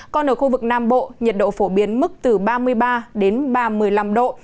còn ở khu vực nam bộ nhiệt độ phổ biến mức từ ba mươi ba đến ba mươi năm độ